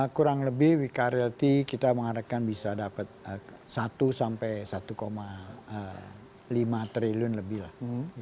kurang lebih wika reality kita mengharapkan bisa dapat satu sampai satu lima triliun lebih lah